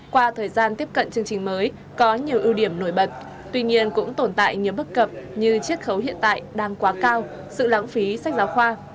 qua thời gian tiếp cận chương trình mới có nhiều ưu điểm nổi bật tuy nhiên cũng tồn tại nhiều bất cập như chiếc khấu hiện tại đang quá cao sự lãng phí sách giáo khoa